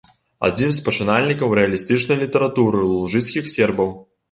Адзін з пачынальнікаў рэалістычнай літаратуры лужыцкіх сербаў.